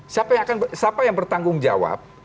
siapa yang bertanggung jawab